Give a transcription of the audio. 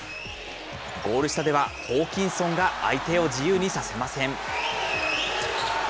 ゴール下ではホーキンソンが相手を自由にさせません。